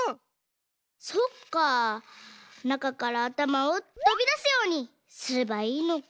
そっかなかからあたまをとびだすようにすればいいのか。